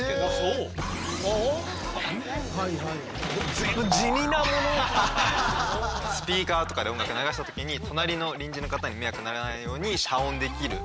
随分スピーカーとかで音楽流した時に隣の隣人の方に迷惑にならないように遮音できるパネル。